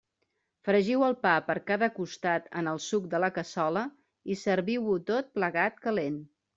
Fregiu el pa per cada costat en el suc de la cassola i serviu-ho tot plegat calent.